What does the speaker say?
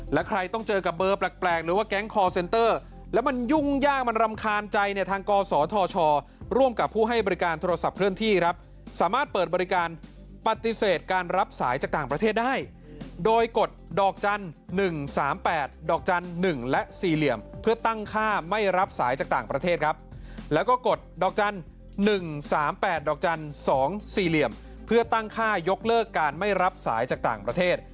แล้วใครต้องเจอกับเบอร์แปลกหรือว่าแก๊งคอร์เซ็นต์เตอร์แล้วมันยุ่งยากมันรำคาญใจในทางกศทชร่วมกับผู้ให้บริการโทรศัพท์เครื่องที่ครับสามารถเปิดบริการปฏิเสธการรับสายจากต่างประเทศได้โดยกดดอกจันทร์๑๓๘ดอกจันทร์๑และ๔เหลี่ยมเพื่อตั้งค่าไม่รับสายจากต่างประเท